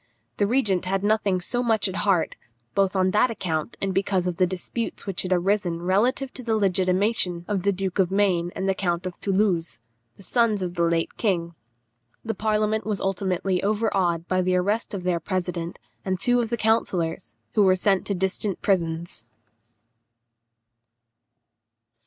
The regent had nothing so much at heart, both on that account and because of the disputes that had arisen relative to the legitimation of the Duke of Maine and the Count of Thoulouse, the sons of the late king. The parliament was ultimately overawed by the arrest of their president and two of the councillors, who were sent to distant prisons.